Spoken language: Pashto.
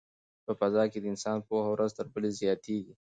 په فضا کې د انسان پوهه ورځ تر بلې زیاتیږي.